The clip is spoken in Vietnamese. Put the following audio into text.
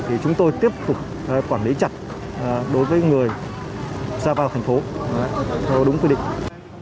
thì chúng tôi tiếp tục quản lý chặt đối với người ra vào thành phố theo đúng quy định